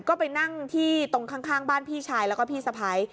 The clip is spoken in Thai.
ก็ไปนั่งที่ตรงข้างบ้านพี่ชายแล้วก็พี่สะพ้าย